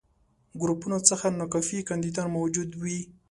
ګروپونو څخه ناکافي کانديدان موجود وي.